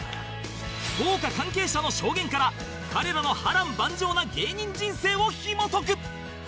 豪華関係者の証言から彼らの波乱万丈な芸人人生を紐解く